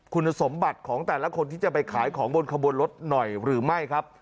คุณสมบัติของแต่ละคนที่จะไปขายของบนขบวนรถหน่อยหรือไม่ครับ